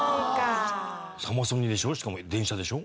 サマソニでしょしかも電車でしょ。